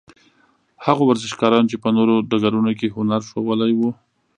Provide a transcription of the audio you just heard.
هغو ورزشکارانو چې په نورو ډګرونو کې هنر ښوولی وو.